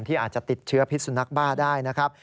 อาจจะติดเชื้อพิษสุนัขบ้าได้นะครับ